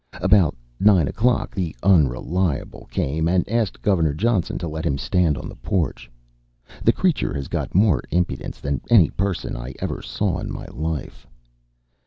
About nine o'clock the Unreliable came and asked Gov. Johnson to let him stand on the porch. The creature has got more impudence than any person I ever saw in my life.